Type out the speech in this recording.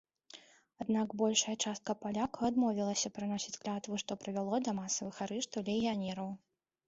Аднак большая частка палякаў адмовілася прыносіць клятву, што прывяло да масавых арыштаў легіянераў.